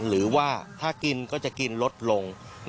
หรือว่าถ้ากินก็จะกินลดลง